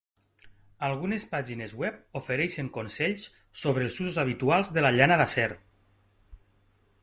Algunes pàgines web ofereixen consells sobre els usos habituals de la llana d'acer.